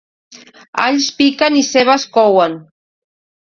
Alls piquen i cebes couen.